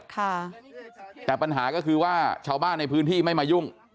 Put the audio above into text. ค่ะแต่ปัญหาก็คือว่าชาวบ้านในพื้นที่ไม่มายุ่ง